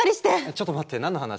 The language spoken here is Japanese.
ちょっと待って何の話？